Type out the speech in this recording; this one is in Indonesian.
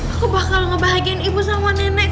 aku bakal ngebahagiain ibu sama nenek